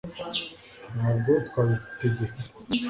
ntabwo twabitegetse